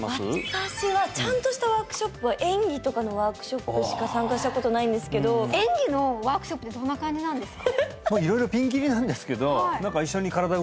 私はちゃんとしたワークショップは演技とかのワークショップしか参加したことないんですけど演技のワークショップってどんな感じなんですか？